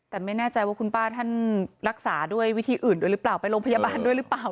แต่ไม่แน่ใจว่าคุณป้าท่านรักษาด้วยวิธีอื่นด้วยหรือเปล่าไปโรงพยาบาลด้วยหรือเปล่า